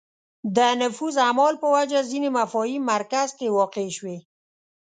د نفوذ اعمال په وجه ځینې مفاهیم مرکز کې واقع شوې